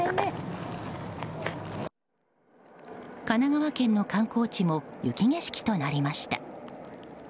神奈川県の観光地も雪景色となりました。